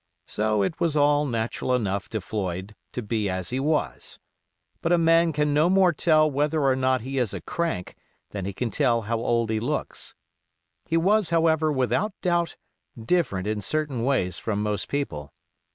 So it was all natural enough to Floyd to be as he was. But a man can no more tell whether or not he is a crank than he can tell how old he looks. He was, however, without doubt, different in certain ways from most people.